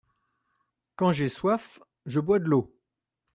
Quand j’ai soif je bois de l’eau.